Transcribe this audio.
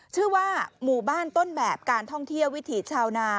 ชื่อว่าหมู่บ้านต้นแบบการท่องเที่ยววิถีชาวนา